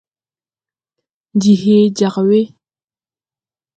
Ndi hee jag we.